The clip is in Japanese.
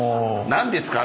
何ですか？